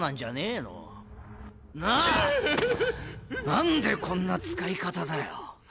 何でこんな使い方だよ？